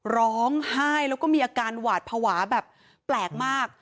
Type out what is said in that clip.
ร้องไห้แล้วก็มีอาการหวาดภาวะแบบแปลกมาก